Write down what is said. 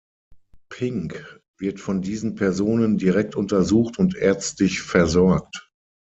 Pink wird von diesen Personen direkt untersucht und ärztlich versorgt.